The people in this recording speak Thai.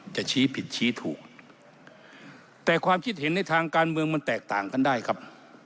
จะชี้ผิดชี้ถูกแต่ความคิดเห็นในทางการเมืองมันแตกต่างกันได้ครับ